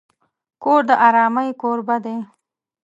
کور د آرامۍ کوربه دی.